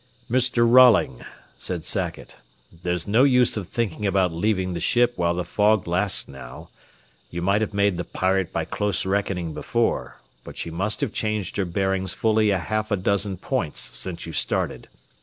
"Mr. Rolling," said Sackett, "there's no use of thinking about leaving the ship while the fog lasts, now. You might have made the Pirate by close reckoning before, but she must have changed her bearings fully a half a dozen points since you started.